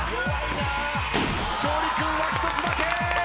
勝利君は１つだけ。